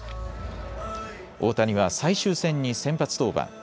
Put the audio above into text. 大谷は最終戦に先発登板。